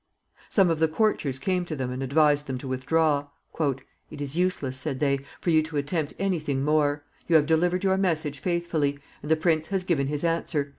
Some of the courtiers came to them and advised them to withdraw. "It is useless," said they, "for you to attempt any thing more. You have delivered your message faithfully, and the prince has given his answer.